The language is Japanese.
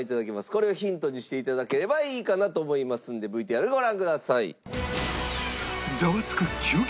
これをヒントにして頂ければいいかなと思いますのでＶＴＲご覧ください。